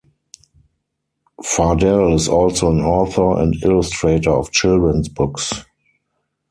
Fardell is also an author and illustrator of children's books.